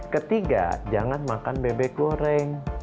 ketiga jangan makan bebek goreng